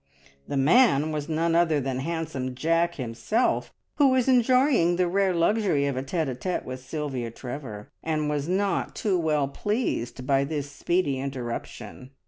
The man was none other than handsome Jack himself, who was enjoying the rare luxury of a tete a tete with Sylvia Trevor, and was not too well pleased by this speedy interruption.